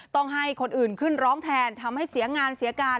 ต้องให้คนอื่นขึ้นร้องแทนทำให้เสียงานเสียการ